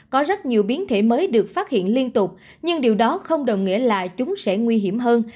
có rất nhiều biến thể mới được phát hiện liên tục nhưng điều đó không đồng nghĩa là chúng sẽ nguy hiểm hơn